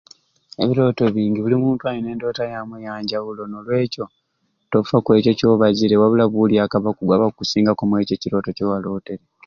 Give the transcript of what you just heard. Ebirooto bingi buli muntu alina endoota yamwe eyanjawulo n'olwekyo tofa kwekyo kyobazire wabula buulyaku abakugu abakkusingaku omwekyo ebirooto kye walootere.